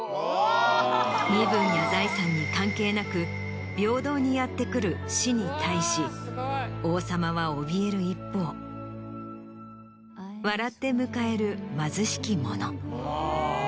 身分や財産に関係なく。に対し王様はおびえる一方笑って迎える貧しき者。